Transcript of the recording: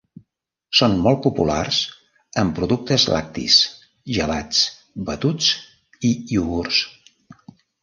Són molt populars en productes lactis, gelats, batuts i iogurts.